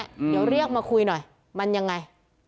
เดี๋ยวเรียกมาคุยหน่อยมันยังไง